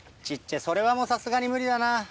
小っちゃいそれはもうさすがに無理だな。